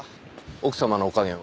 奥様のお加減は。